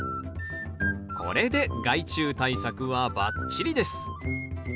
これで害虫対策はバッチリです！